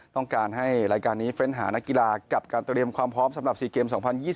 ต้องการให้รายการนี้เฟ้นหานักกีฬากับการเตรียมความพร้อมสำหรับ๔เกม๒๐๒๐